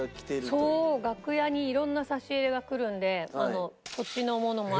そう楽屋に色んな差し入れが来るのでこっちのものも。